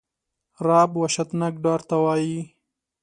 رعب وحشتناک ډار ته وایی.